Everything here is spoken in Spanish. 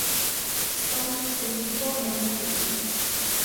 Storm se suscitó en esa religión.